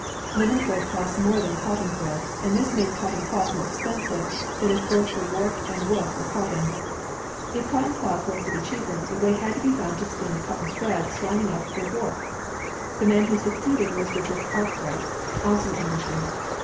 Linen thread costs more than cotton thread, and this made cotton cloth more expensive than if both the warp and woof were cotton. If cotton cloth was to be cheaper, a way had to be found to spin a cotton thread strong enough for warp. The man who succeeded was Richard Arkwright, also an Englishman.